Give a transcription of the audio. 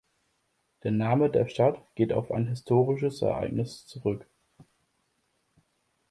Der Name der Stadt geht auf ein historisches Ereignis zurück.